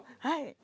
はい。